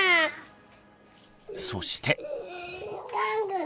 そして。